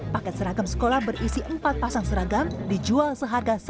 paket seragam sekolah berisi empat pasang seragam dijual seharga satu